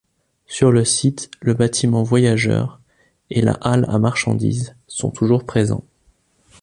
Sur le site, le bâtiment voyageurs et la halle à marchandises sont toujours présents.